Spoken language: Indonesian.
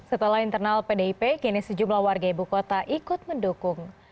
setelah internal pdip kini sejumlah warga ibu kota ikut mendukung